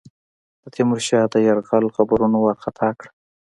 د تیمورشاه د یرغل خبرونو وارخطا کړه.